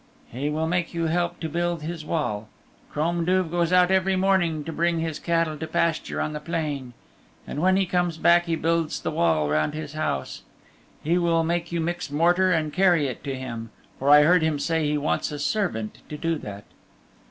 "He will make you help to build his wall. Crom Duv goes out every morning to bring his cattle to pasture on the plain. And when he comes back he builds the wall round his house. He'll make you mix mortar and carry it to him, for I heard him say he wants a servant to do that."